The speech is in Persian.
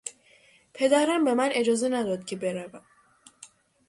پدرم به من اجازه نداد که بروم.